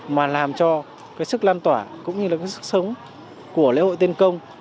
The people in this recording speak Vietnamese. mà làm cho cái sức lan tỏa cũng như là cái sức sống của lễ hội tiên công